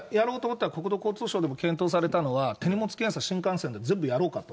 国土交通省でも検討されたのは、手荷物検査、新幹線でも全部やろうかと。